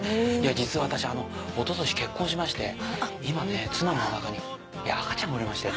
実は私あのおととし結婚しまして今ね妻のお腹に赤ちゃんがおりまして。